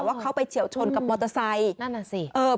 ว่าเขาไปเฉียวชนกับมอเตอร์ไซค์